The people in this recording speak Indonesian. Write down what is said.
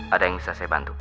ada yang bisa saya bantu